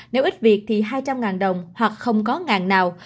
nếu ít việc thì hai trăm linh đồng hoặc không có ngàn nào